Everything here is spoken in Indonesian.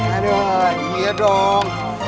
aduh ini ya dong